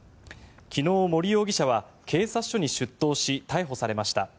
昨日、盛容疑者は警察署に出頭し逮捕されました。